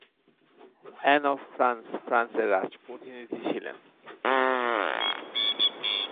An of France ফ্রান্সের রাজপ্রতিনিধি ছিলেন।